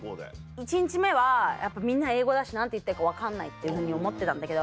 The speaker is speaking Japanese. １日目はやっぱみんな英語だし何て言ってるか分かんないっていうふうに思ってたんだけど。